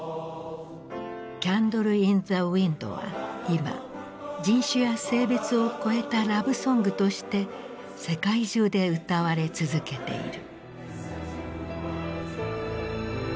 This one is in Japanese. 「キャンドル・イン・ザ・ウインド」は今人種や性別を越えたラブソングとして世界中で歌われ続けている。